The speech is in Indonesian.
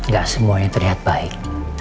gak semuanya terlihat baik